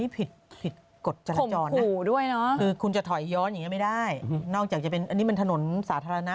ผิดผิดกฎจราจรนะคือคุณจะถอยย้อนอย่างนี้ไม่ได้นอกจากจะเป็นอันนี้มันถนนสาธารณะ